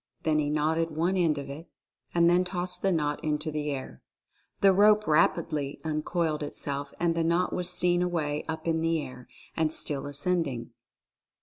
Then he knotted one end of it and then tossed the knot into the air. The rope rapidly uncoiled itself, and the knot was seen away up in the air, and still ascending.